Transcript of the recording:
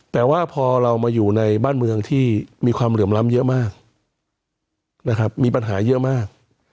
แต่ว่าพอเรามาอยู่ในบ้านเมืองที่มีความเหลื่อมล้ำเยอะมากนะครับมีปัญหาเยอะมาก